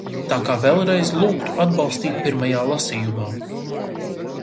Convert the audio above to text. Tā ka vēlreiz lūgtu atbalstīt pirmajā lasījumā.